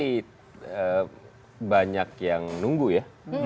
jadi banyak yang nunggu ya